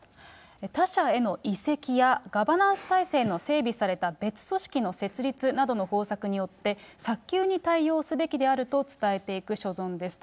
他社への移籍やガバナンス体制の整備された別組織の設立などの方策によって、早急に対応すべきであると伝えていく所存ですと。